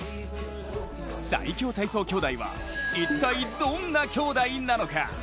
最強体操兄弟は一体、どんな兄弟なのか。